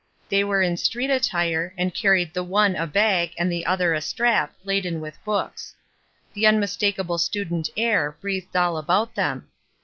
They were in street attire and carried the one a bag and the other a strap^ laden with books. The unmistakable student air breathed all about them.